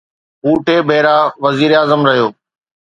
هو ٽي ڀيرا وزيراعظم رهيو.